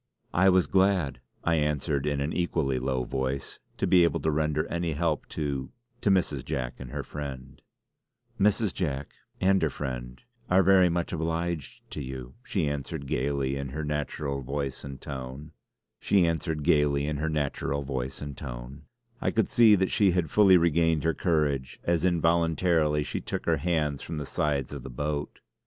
"I was glad," I answered in an equally low voice, "to be able to render any help to to Mrs. Jack and her friend." "Mrs. Jack and her friend are very much obliged to you," she answered gaily in her natural voice and tone. I could see that she had fully regained her courage, as involuntarily she took her hands from the sides of the boat.